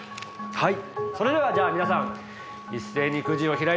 はい！